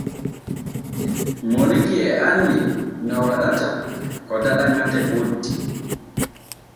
Moniki e anni no waɗata ko daɗa ŋate boddi.